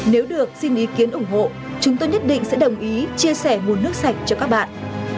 nếu được xin ý kiến ủng hộ chúng tôi nhất định sẽ đồng ý chia sẻ nguồn nước sạch cho các bạn